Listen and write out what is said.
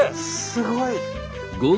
すごい。